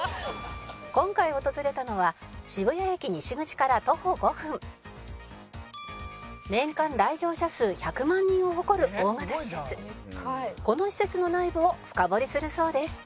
「今回訪れたのは渋谷駅西口から徒歩５分」「年間来場者数１００万人を誇る大型施設」「この施設の内部を深掘りするそうです」